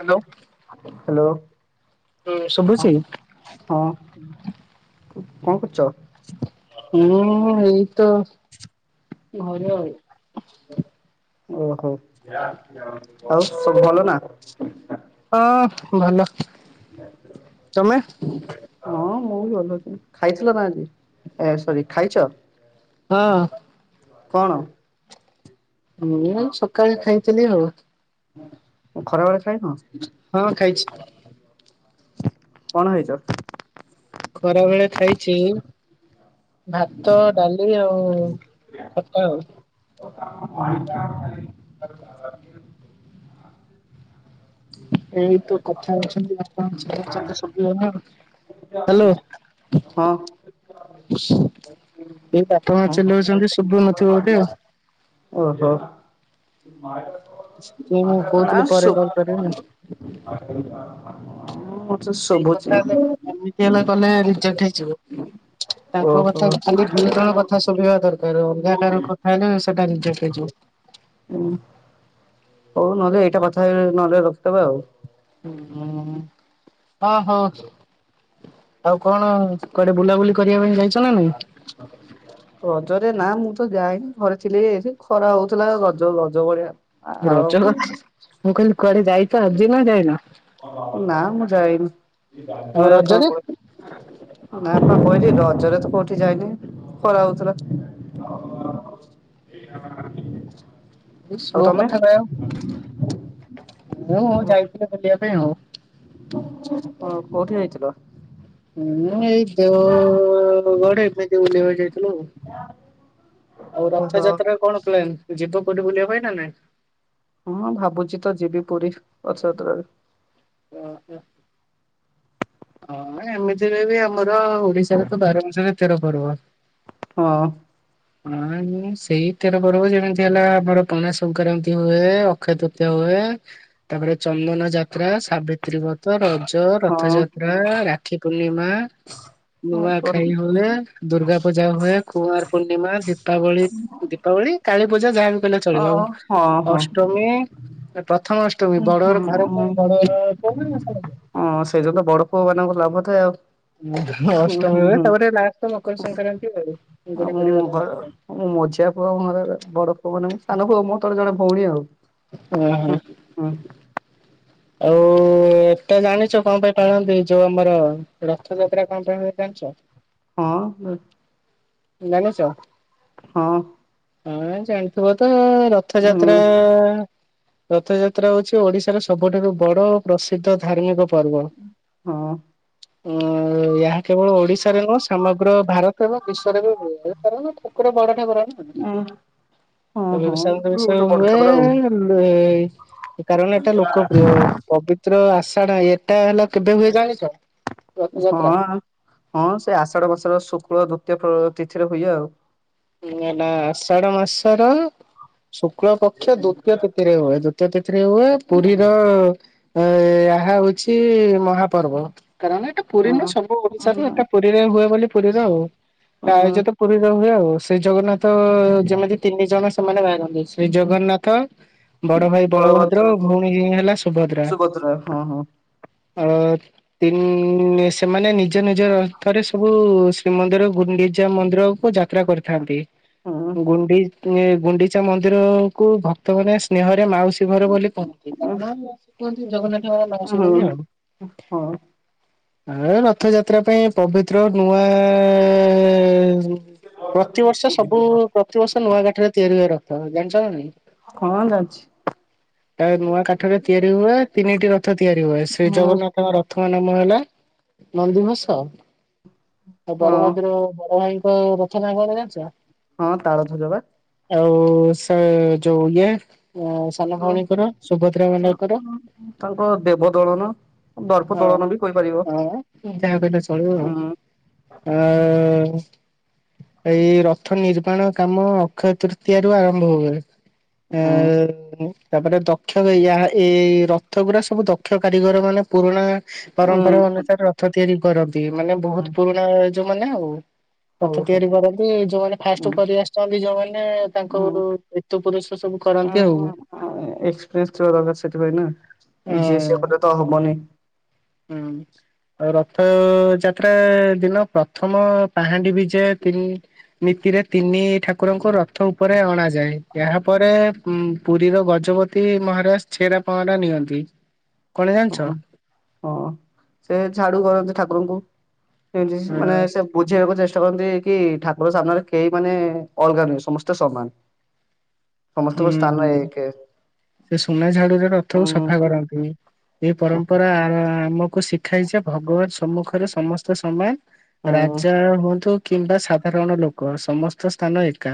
Hello hello ହୁଁ ହଁ। ଶୁଭୁଛି? ହଁ କଣ କରୁଚ। ମୁଁ ଏଇ ତ ଘରେ ଆଉ। ଓହୋ ଆଉସବୁ ଭଲ ନା। ହଁ ଭଲ। ତମେ? [inaudible] ହଁ ମୁଁ ଭଲ ଅଛି ଖାଇଥିଲ ନା ଆଜି ଏ ସରି ଖାଇଚ। ହଁ। କଣ। ମୁଁ ସକାଳେ ଖାଇଥିଲି ଆଉ। ଖରା ବେଳେ ଖାଇନ। ହଁ ଖାଇଚି। କଣ ହେଇଚ। ଖରା ବେଳେ ଖାଇଚି ଭାତ ଡାଲି ଆଉ ଖଟା ଆଉ। ଏଇ ତ କଥା ହେଉଛନ୍ତି ଆ। [unintelligible] ହ୍ୟାଲୋ। ହଁ ଏଇ ବାପ ମା ହଁ ଚିଲୋଉଚନ୍ତି ଶୁଭୁ ନଥିବ ବୋଧେ ଆଉ। ଓହୋ ମୁଁ ଆ କହୁଥିଲି ପରେ ସୁ କଲ୍ କରିବି ଆଉ। ମୋତେ ଶୁଭୁଛି। ଇଏ ନ କଲେ ରିଯେକ୍ଟ ହେଇଯିବ ତାଙ୍କ ଓହୋ। କଥା ଖାଲି ଦି ଜଣ କ ଥା ଶୁଭିବା ଦରକାର ଅଲ୍ଗା କାହାର କଥା ହେଲେ ସେଟା ରିଜେକ୍ହ ହେଇଯିବ। ହଁ। ହଉ ନହେଲେ ଏଇଟା କଥା ହେଇ ନହେଲେ ରଖିଦବା ଆଉ। ହ ଅହୋ। ଆଉ କଣ କୁଆଡେ ବୁଲାବୁଲି କରିବା ପାଇଁ ଯାଇ [inaudible] ରଜରେ ନା ମୁଁ ତ ଯାଏନି ଘରେ ଥିଲି ଏ ଖରା ହଉଥିଲା ରଜ ଗଜ ଭଳିଆ ଆର ରଜ ରେ ମୁଁ କଇଲି ଯାଇଚ ଆଜି ନା ଯାଇନ। ନା ମୁଁ ଯାଇନି ଆଉ ରଜରେ [unintelligible] ନା ପା କହିଲି ରଜରେ ତ କୋଉଠି ଯାଇନି ଖରା ହଉଥିଲା। ଆଉ ସ୍ଲୋ ତମେ କଥା ଟା ମୁଁ ଯାଇଥିଲି ବୁଲିବା ପାଇଁ ଆଉ। ହଁ କୋଉଠି ଯାଇଥିଲ? ମୁଁ ଏଇ ଦେଓଗଡ଼ ଏମିତି ବୁଲିବାକୁ ଯାଇଥିଲୁ ଆଉ। [unintelligible] ଆଉ ଓହୋ ରଥଯାତ୍ରା କଣ ପ୍ଲାନ ଯିବ କୋଉଠି ବୁଲିବା ପାଇଁ ନା ନାଇଁ? ହଁ ଭାବୁଚି ତ ଯିବି ପୁରୀ ରଥଯାତ୍ରା‌ ରେ। ଓ ହୋ। ହଁ ଏମିତି ରେ ବି ଆମର ଓଡ଼ିଶା ରେ ତ ବାରମାସରେ ତେର ପର୍ବ। ହଁ। ହଁ ସେଇ ତେର ପର୍ବ ଯେମିତି ହେଲା ଆମର ପଣା ସଂକ୍ରାନ୍ତି ହୁଏ, ଅକ୍ଷୟ ତୃତୀୟା ହୁଏ। ତା ପରେ ଚନ୍ଦନଯାତ୍ରା, ସାବିତ୍ରୀ ବ୍ରତ, ରଜ, ରଥଯା ହଁ ରାକ୍ଷୀ ପୂର୍ଣ୍ଣିମା। ନୂଆଖାଇ ଓ ହୁଏ ଦୁର୍ଗା ପୂଜା ହୁଏ କୁମାର ପୂର୍ଣ୍ଣିମା ଦୀପାବଳି ଦୀପାବଳି କାଳୀପୂଜା ଯାହାବି କହିଲେ ଚଳିବ ଆଉ ହଁ ହଁ। ଅଷ୍ଟମୀ ପ୍ରଥମ ଅଷ୍ଟ ହୁଁ ହୁଁ ହୁଁ [unintelligible] ହଁ ସେଇଟା ତ ବଡ଼ ପୁଅ ମାନଙ୍କର ଲାଭ ଥାଏ ଆଉ। ହୁଁ ଅଷ୍ଟମୀ ହୁଁ ହୁଏ ହୁଁ ତାପରେ ଲାଷ୍ଟ୍ ରେ ମକର ସଂକ୍ରାନ୍ତି ଆଉ ଗୁଡ଼ି ମୁଁ ଫୁଡି଼ ମୋ ଘର [unintelligible] ମୁଁ ମଝିଆ ପୁଅ ଘରେ ବଡ଼ ପୁଅ ମାନେ ସାନ ପୁଅ ମୋ ତଳେ ଜଣେ ଭଉଣୀ ଆଉ। ହଁ। ହଁ। ଆଉ। ଏଟା ଜାଣିଛ କଣ ପାଇଁ ପାଳନ୍ତି ଯୋଉ ଆମର ରଥଯାତ୍ରା କଣ ପାଇଁ ଜାଣିଛ? ହଁ। ଜାଣିଚ? ହଁ। ହଁ ଜାଣିଥିବ ତ ଉଁ ରଥଯାତ୍ରା ରଥଯାତ୍ରା ହଉଛି ଓଡ଼ିଶାର ସବୁଠାରୁ ବଡ଼ ପ୍ରସିଦ୍ଧ ଧାର୍ମିକ ପର୍ବ। ହଁ। ଉଁ ଏହା କେବଳ ଓଡ଼ିଶା ରେ ନୁହଁ ସମଗ୍ର ଭାରତର ବିଶ୍ବ ରେ [unintelligible] ଠାକୁର ବଡ଼ ଠାକୁର। ଓ ହଁ ହଁ ଗୋଟେ ବଡ ଠାକୁର ଆଉ [unintelligible] କାରଣ ଏଟା ଲୋକପ୍ରିୟ ପବିତ୍ର ଆଷାଢ଼ ଏଟା ହେଲା କେବେ ହୁଏ ଜାଣିଛ ରଥଯାତ୍ରା? ହଁ। ହଁ ସେ ଆଷାଢ଼ ମାସର ଶୁକ୍ଳ ଦ୍ଵିତୀୟ ତିଥିରେ ହୁଏ ଆଉ। ହେଲା ଆଷାଢ଼ ମାସର ଶୁକ୍ଳ ପକ୍ଷ ଦ୍ଵିତୀୟ ତିଥିରେ ହୁଏ। ଦ୍ୱିତୀୟ ତୀଥିରେ ହୁଏ ପୁରୀର ଏ ଏହା ହଉଛି ମହାପର୍ବ କାରଣ ଏଟା ପୁରୀ ହଁ। ନୁହେଁ ସବୁ ଓଡ଼ିଶାର ଏଟା ପୁରୀରେ ହୁଏ ବୋଲି ପୁରୀର ଆଉ ଉଁ ଉଁ ଆୟୋଜିତ ପୁରୀରେ ହୁଏ ଆଉ। ଶ୍ରୀ ଜଗନ୍ନାଥ ଯେମିତି ତିନି ଜଣ ସେମାନେ ବାହାରନ୍ତି। ଶ୍ରୀ ଜଗନ୍ନାଥ, ବଡ଼ ଭାଇ ବଳଭଦ୍ର, ଭଉଣୀ ହେଲା ସୁଭଦ୍ରା। ହଁ ହଁ। ଆ ତିନ୍ ସେମାନେ ନିଜ ନିଜ ରଥରେ ସବୁ ଶ୍ରୀମନ୍ଦିର, ଗୁଣ୍ଡିଚା ମନ୍ଦିର କୁ ଯାତ୍ରା କରି ଥାଆନ୍ତି ହୁଁ ଗୁଣ୍ଡି ଗୁଣ୍ଡିଚା ମନ୍ଦିର କୁ ଭକ୍ତ ମାନ ସ୍ନେହରେ ମାଉସୀ ମାଉସୀ ଘର ବୋଲି କହନ୍ତି ଉଁ କାରଣ କୁହନ୍ତି ଜଗନ୍ନାଥଙ୍କର ମାଉସୀ ହୁଁ ବୋଲି ଆଉ। ହଁ ଆ ରଥ ଯାତ୍ରା ପାଇଁ ପବିତ୍ର ନୂଆ ପ୍ରତିବର୍ଷ ସବୁ ପ୍ରତିିବର୍ଷ ନୂଆ କାଠରେ ତିଆରି ହୁଏ ରଥ ଜାଣିଛ ନା ନାଇଁ? ହ ଜାଣିଛି। ନୂଆ କାଠରେ ତିଆରି ହୁଏ ତିନିଟି ରଥ ତିଆରି ହୁଏ ଶ୍ରୀ ହଁ ଜଗନ୍ନାଥ ତାଙ୍କ ରଥଙ୍କ ନାମ ହେଲା ନନ୍ଦୀଘୋଷ। ଆଉ ହଁ ବଡଭଦ୍ର ବଡ ଭାଇଙ୍କ ରଥ ନାଁ କଣ ଜାଣିଛ? ହଁ ତାଳଧଜ ବା। ଆଉ ସେ ଯୋଉ ଇଏ ସାନ ଭଉଣୀ ତାଙ୍କର ଦେବ ଦଳନ ଦର୍ପ ହଁ ଦୋଳନ ବି କହିପାରିବ। ହଁ ଯାହା କହିଲେ ଚଳିବ ଉଁ ଆଉ ଆ ଏଇ ରଥ ନିର୍ମାଣ କାମ ଅକ୍ଷୟ ତୃତୀୟାରୁ ଆରମ୍ଭ ହୁଏ। ଉଁ ଆ ତାପରେ ଦକ୍ଷୟ ଏଇ ରଥ ଗୁଡା ସବୁ ଦକ୍ଷ କାରିଗର ମାନେ ପୁରୁଣା ଉଁ ପରମ୍ପରା ଅନୁସାରେ ରଥ ତିଆରି କରନ୍ତି ମାନେ ହୁଁ ବହୁତ ପୁରୁଣା ଏ ଯୋଉ ମାନେ ଆଉ। ହଉ ରଥ ହଉ। ତିଆରି କରନ୍ତି ଯୋଉମାନେ ଫାଷ୍ଟ ଉଁ କରି ଆସିଛନ୍ତି ଯୋଉମାନେ ଉଁ ତାଙ୍କରୁ ସାତ ପୁରୁଷ ସବୁ କରନ୍ତି ଆଉ। ହଁ ଏକ୍ସପିରିଏନ୍ସ ଥିବା ଦରକାର ସେଥିପାଇଁ ଅ ନା ଯିଏ ସିଏ କଲେ ତ ହବନି। ହୁଁ। ରଥ ଯାତ୍ରା ଦିନ ପ୍ରଥମ ପାହାଣ୍ଡି ବିଜୟ ତିନି ନୀତିରେ ତିନି ଠାକୁ ଠାକୁରଙ୍କୁ ରଥ ଉପରେ ଅଣାଯାଏ ଏହାପରେ ପୁରୀର ଗଜପତି ମହାରାଜ। ଛେରା ପାହଁରା ନିଅନ୍ତି। କଣ ଜାଣିଛ? ହଁ ହଁ ସେ ଝାଡୁ କରନ୍ତି ଠାକୁରଙ୍କୁ ଯେମତି ଅ ମାନେ ସେ ବୁଝେଇବାକୁ ଚେଷ୍ଟା କରନ୍ତି କି ଠାକୁର ସାମ୍ନାରେ କେହି ମାନେ ଅଲଗା ନୁହଁ ସମସ୍ତେ ସମାନ। ସମସ୍ତଙ୍କ ହୁଁ ସ୍ଥାନ ହୁଁ ଏକେ ସେ ସୁନା ଝାଡୁରେ ରଥକୁ ଉଁ ସଫା କରନ୍ତି। ଏଇ ପରମ୍ପରା ଆମକୁ ଶିଖାଇଛି ଭଗବାନ ସମ୍ମୁଖରେ ସମସ୍ତେ ସମାନ। ହୁଁ ରାଜା ହୁଅନ୍ତୁ କିମ୍ବା ସାଧାରଣ ଲୋକ ସମସ୍ତ ସ୍ଥାନ ଏକା।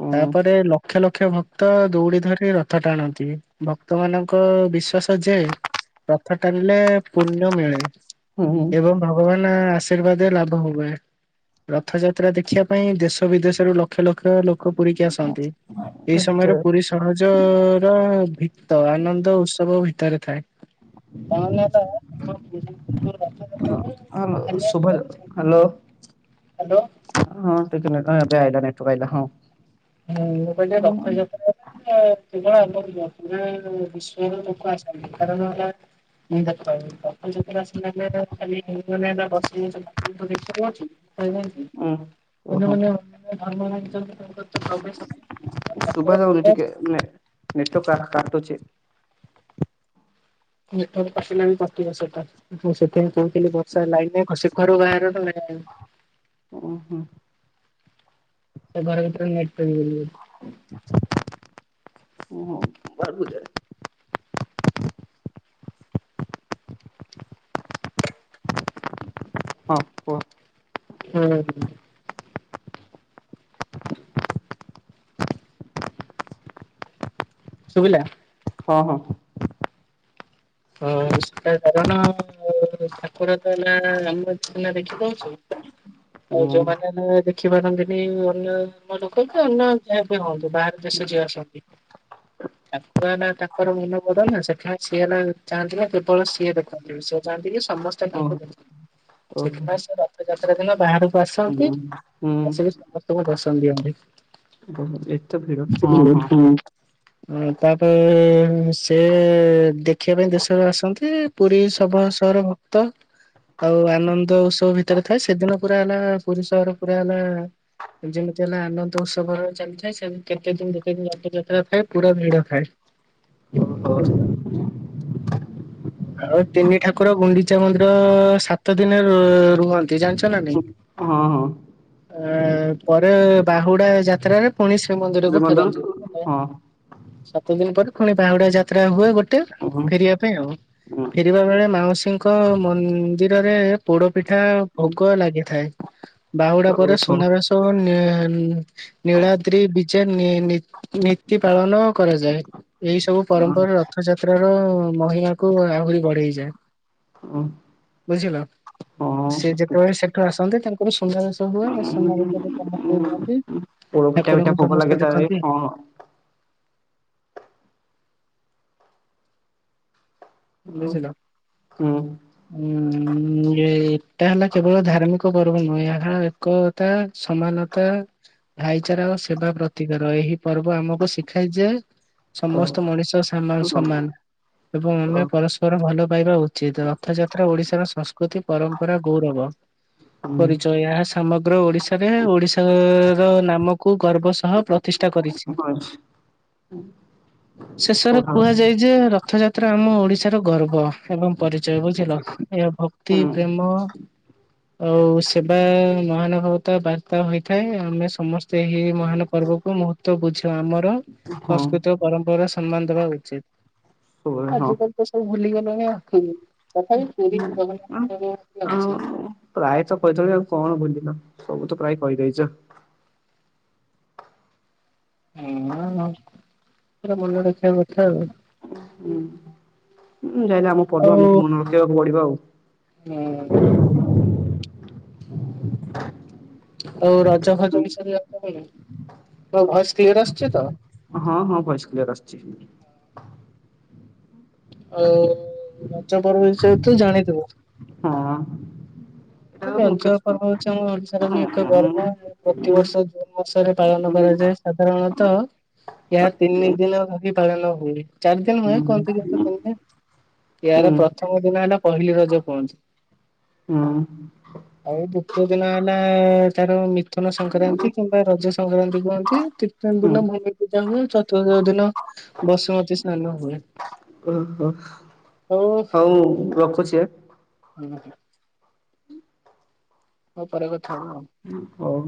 ହୁଁ ତାପରେ ଲକ୍ଷ ଲ କ୍ଷ ଭକ୍ତ ଦୌଡି ଧରି ରଥ ଟାଣନ୍ତି ଭକ୍ତ ମାନଙ୍କ ବିଶ୍ଵାସ ଯେ। ରଥ ଟାଣିଲେ ପୁଣ୍ୟ ମିଳେ ହୁଁ ଏବଂ ଭଗବାନ ଆଶୀର୍ବାଦ ଲାଭ ହୁଏ। ରଥଯାତ୍ରା ଦେଖିବା ପାଇଁ ଦେଶ ବିଦେଶରୁ ଲକ୍ଷ ଲକ୍ଷ ଲୋକ ପୁରୀକି ଆସନ୍ତି। ଏଇ ଏତେ ସମୟରେ ପୁରୀ ସହଜର ଭିତ ଆନନ୍ଦ ଉତ୍ସବ ଭିତରେ ଥାଏ। [inaudible] ହାଲୋ। ହାଲୋ। ହଁ ଟିକେ ନେଟ ଏବେ ଆଇଲା ନେଟୱର୍କ ଆଇଲା। ହୁଁ ମୁଁ କହିଲି ହୁଁ ରଥଯାତ୍ରା କେବଳ ଆମର ନୁହଁ ପୁରା ବିଶ୍ଵର ଲୋକ ଆସାନ୍ତି କାରଣ ହେଲା। [inaudible] ଦେଖିବାକୁ ଅଛି [unintelligible] ହୁଁ ଓହୋ ଅନ୍ୟମାନେ ଧର୍ମ ମାଗିଛନ୍ତି ତାଙ୍କ ଶୁଭା ଯାଉନି ଟିକେ [inaudible] [unintelligible] କାଟୁଛି। ନେଟୱାର୍କ ଆସିଲାନି କଟିବ ସେଇଟା ମୁଁ ସେଇଥିପାଇଁ କହୁଥିଲି ସେ ଲାଇ ନାଇଁ ଖସି ଉଁ ହୁଁ। ସେ ଘର ଭିତରେ ନେଟ ପାଇବ ବୁଲି। [inaudible] ହଁ କୁହ। ହୁଁ। [inaudible] ସୁୁଭିଲା? ହଁ ହଁ। ହଁ ସେଟା କାରଣ ଠାକୁର ତ ନା ଆମ ନା ଦେଖି ଦଉଚୁ। [inaudible] ଆଉ ଯୋଉମାନେ ନୁ ଦେ ଦେଖିପାରନ୍ତିନି ଅନ୍ୟ ମଦକି ଅନ୍ୟ ଯାହା ବି ହୁଅନ୍ତୁ ବାହାର ଦେଶରୁ ଯିଏ ଆସନ୍ତି। ଠାକୁର ହେଲା ତାଙ୍କର ମନ ବଦଳ ନା ସେଠାରେ ସିଏ ହେଲା ଚାହାଁନ୍ତିନା କେବଳ ସିଏ ଦେଖନ୍ତି ସିଏ ଚାହାନ୍ତି କି ସମସ୍ତେ ଓହୋ ତାଙ୍କୁ ଦେଖ। ଓହୋ ସେଥିପାଇଁ ସେ ରଥଯାତ୍ରା ଦିନ ବାହାଡ଼ କୁ ଆସନ୍ତି ହୁଁ ଆସିକି ହୁଁ ସମସ୍ତଙ୍କୁ ଦର୍ଶନ ଦିଅନ୍ତି। ହୁଁ ଏତେ ଭିଡ଼ ହଁ ହଁ। ହଁ ତାପରେ ସେ ଦେଖି ଦେଖିବା ପାଇଁ ଦେଶରେ ଆସନ୍ତି ପୁରୀ ଶବ ସହର ଭକ୍ତ ଆଉ ଆନନ୍ଦ ଉତ୍ସବ ଭିତରେ ଥାଏ ସେଦିନ ପୁରା ହେଲା ପୁରୀ ସହର ପୁରା ହେଲା ଯେମିତି ହେଲେ ଆନନ୍ଦ ଉତ୍ସବରେ ଚାଲିଥାଏ ସେମ୍ କେତେ ଦିନ ଭିତେ ରଥଯାତ୍ରା ଥାଏ ପୁରା ଭିଡ଼ ଥାଏ। ଓହୋ ବୁଝିଲ? ଆଉ ତିନି ଠାକୁର ଗୁଣ୍ଡିଚା ମନ୍ଦିର ସାତ ଦିନ ରୁହନ୍ତି ଜାଣିଛ ନା ନାଇଁ? ହଁ ହଁ। ଆ ପରେ ବାହୁଡ଼ା ଯାତ୍ରାରେ ପୁଣି ଶ୍ରୀମନ୍ଦିରକୁ ଶ୍ରୀମନ୍ଦିର ଫେରନ୍ତି ମାନେ ହଁ। ସାତ ଦିନି ପରେ ପୁଣି ବାହୁଡ଼ା ଯାତ୍ରା ହୁଏ ଗୋଟେ ହୁଁ ହୁଁ ଫେରିବା ପାଇଁ ଆଉ। ଫେରିବା ବେଳେ ମାଉସୀଙ୍କ ମନ୍ଦିରରେ ପୋଡ଼ ପିଠା ଭୋଗ ଲାଗିଥାଏ। ବାହୁଡ଼ା ହଉ ପରେ ହଉ ସୁନାବେଶ ଓ ନି ନୀଳାଦ୍ରି ବିଜେ ନି ନିତ୍ ନୀତି ପାଳନ କରାଯାଏ। ଏଇ ସବୁ ପରମ୍ପରା ରଥଯାତ୍ରାର ମହିମାକୁୁ ଆହୁରି ବଢ଼େଇଯାଏ। ହଁ। ବୁଝିଲ? ସେ ଯେତେବେଳେ ସେଠୁ ଆସନ୍ତି ତାଙ୍କର ସୁନାବେଶ ହୁଏ ସୁନାବେଶରେ ସମସ୍ତେ ରୁହନ୍ତି। ପୋଡ ପିଠା ପିଠା ଠାକୁରଙ୍କୁ ଭୋଗ ଲାଗେ ସମସ୍ତେ ତାରେ ଦେଖନ୍ତି। ହଁ। ବୁଝିଲ? ହଁ। ଉଁ ଏ ଏଟା ହେଲା କେବଳ ଧାର୍ମିକ ପର୍ବ ନୁହେଁ ଏହା ଏକ ତା ସମାନତା ଭାଇଚାରା ଓ ସେବା ପ୍ରତିକାର ଏହି ପର୍ବ ଆମକୁ ଶିଖାଏ ଯେ ହଁ। ସମସ୍ତ ମଣିଷ ସାନ ସମାନ ଏବଂ ଆମେ ପରସ୍ପର ଭଲ ପାଇବା ଉଚିତ ରଥଯାତ୍ରା ଓଡ଼ିଶାର ସଂସ୍କୃତି, ପରମ୍ପରା, ଗୌରବ। ପରିଚୟ ଏହା ସାମଗ୍ର ଓଡ଼ିଶାରେ ଓଡ଼ିଶାର ନାମକୁ ଗର୍ବ ସହ ପ୍ର ତିଷ୍ଟା କରିଛି। ଆଛ୍ ଶେଷରେ କୁହାଯାଏ ଯେ ରଥଯାତ୍ରା ଆମ ଓଡ଼ିଶା ର ଗର୍ବ ଏବଂ ପରିଚୟ ବୁଝିଲ ଏହା ଭକ୍ତି, ପ୍ରେମ ଆଉ ସେବା ମହାନୁଭବତ ବାର୍ତ୍ତା ହୋଇଥାଏ ଆମେ ସମସ୍ ସେହି ମହାନ ପର୍ବକୁ ମହୂତ୍ତ ବୁଝା ଆମର ସଂସ୍କୃତି ଓ ପରମ୍ପରା ସମ୍ମାନ ଦେବା ଉଚିତ୍। ଶୁଭୁଏ ହଁ। ସେସବୁ ଭୁଲିଗଲଣି ଆଖିବୁ ତଥାପି ପୁରୀ ହୁଁ ଆଉ ଜଗନ୍ନାଥ [unintelligible] ଅଛି। ପ୍ରାଏତ କହିଦେଲଣି ଆଉ କଣ ଭୁଲିଲ ସବୁ ତ ପ୍ରାୟ କହିଦେଇଛ। ମନନ ଗୁରା ମନେ ରଖିବା କଥା ଆଉ। ହୁଁ ଉଁ ଯାଇଲେ ଆମ ପର୍ବ ଆଉ ଆମକୁ ମନେ ରଖେଇବାକୁ ପଡ଼ିବ ଆଉ। ହୁଁ। [unintelligible] ତ ରଜ ଫଜ ବିଷୟରେ ଆପଣ କହିବେ ମୋ ଭଏସ କ୍ଲିୟର ଆସୁଚି ତ? ହଁ ହଁ ଭଏସ କ୍ଲିୟର ଆସିଛି। ଆଉ ରଜପର୍ବ ବିଷୟରେ ତୁ ଜାଣିଥିବୁ। ହଁ। ଏଇଟା ମୁଖ୍ୟ ରଜ ହୁଁ ପର୍ବ ହୋଉଚି ଆମ ଓଡିଶାର ହୁଁ ବି ଏକ ଗର୍ବ ପ୍ରତିିବର୍ଷ ଜୁନ ବର୍ଷରେ ପାଳନ କରାଯାଏ ସାଧାରଣତଃ ଏହା ତିନି ଦିନ ଧରି ପାଳନ ହୁଏ। ଚାରି ଦିନ ହୁଏ କହନ୍ତି ଲୋକ ତିନି ଦିନ। ଏହାର ପ୍ରଥମ ଦିନ ହେଲା ପହିଲି ରଜ କୁହନ୍ତି। ହଁ। ଆଉ ଦ୍ଵିତୀୟ ଦିନ ହେଲା ତାର ମିଥୁନ ସଂକ୍ରାନ୍ତି କିମ୍ବା ରଜ ସଂକ୍ରାନ୍ତି କୁହନ୍ତି। ତିନ ହୁଁ ଦିନ ଭୁମି ପୂଜା ହୁଏ ଚତୁର୍ଥ ଦିନ ବସୁମତୀ ସ୍ନାନ ହୁଏ। ଓ ହୋ। ହୋଉ ହଁ। ହୋଉ ପରେ କଥା ହବା ଆଉ। ହଉ।